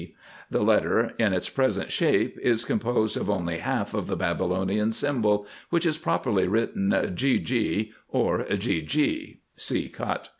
The letter in its present shape is composed of only half of the Babylonian symbol, which is properly written GG or Gee Gee (see cut).